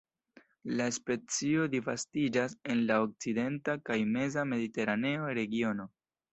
La specio disvastiĝas en la okcidenta kaj meza mediteraneo regiono.